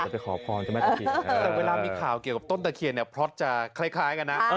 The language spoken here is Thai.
แต่เวลามีข่าวเกี่ยวกับต้นตะเคียนเนี่ยพล็อตจะคล้ายกันนะ